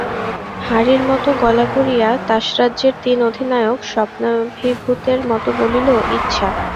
হাঁড়ির মতো গলা করিয়া তাসরাজ্যের তিন অধিনায়ক স্বপ্নাভিভূতের মতো বলিল, ইচ্ছা?